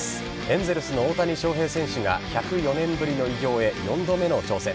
エンゼルスの大谷翔平選手が１０４年ぶりの偉業へ４度目の挑戦。